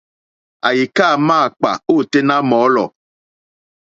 Àyíkâ máǎkpà ôténá mɔ̌lɔ̀.